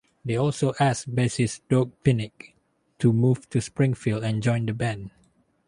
They also asked bassist Doug Pinnick to move to Springfield and join the band.